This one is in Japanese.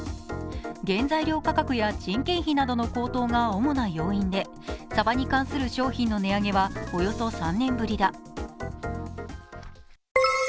原材料価格や人件費などの高騰が主な要因で、さばに関する商品の値上げはおよそ３年ぶりだ。